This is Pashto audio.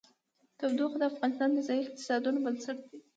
تودوخه د افغانستان د ځایي اقتصادونو بنسټ دی.